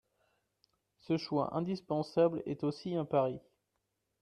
Ce choix indispensable est aussi un pari.